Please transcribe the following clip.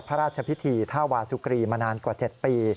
พระราชพิธีท่าวาสุกรีมานานกว่า๗ปี